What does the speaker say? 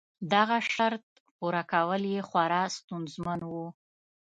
دغه شرط پوره کول یې خورا ستونزمن و.